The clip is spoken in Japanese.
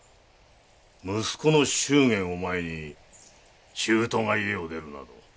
息子の祝言を前に舅が家を出るなど。